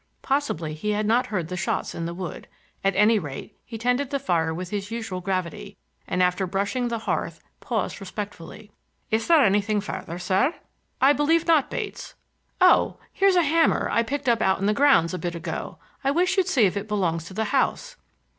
Possibly he had not heard the shots in the wood; at any rate, he tended the fire with his usual gravity, and after brushing the hearth paused respectfully. "Is there anything further, sir?" "I believe not, Bates. Oh! here's a hammer I picked up out in the grounds a bit ago. I wish you'd see if it belongs to the house."